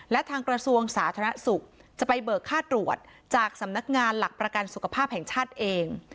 และทางกระทรวงสาธารณสุขจะไปเบิกค่าตรวจจากสำนักงานหลักประกันสุขภาพแห่งชาติเอง